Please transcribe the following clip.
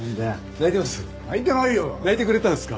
泣いてくれてたんですか？